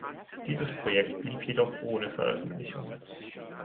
Dieses Projekt blieb jedoch ohne Veröffentlichung.